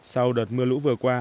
sau đợt mưa lũ vừa qua